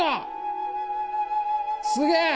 すげえ！